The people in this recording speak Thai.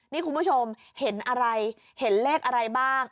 นี่คุณผู้ชมเห็นอะไรเห็นเลขอะไรบ้าง